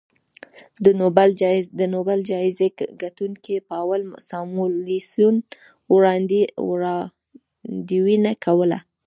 د نوبل جایزې ګټونکي پاول ساموېلسن وړاندوینه کوله